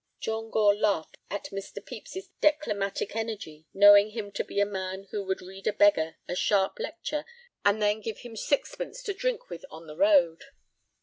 John Gore laughed at Mr. Pepys's declamatic energy, knowing him to be a man who would read a beggar a sharp lecture and then give him sixpence to drink with on the road.